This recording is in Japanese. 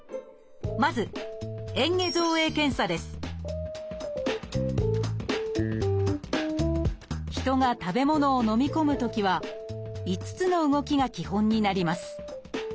まず人が食べ物をのみ込むときは５つの動きが基本になります。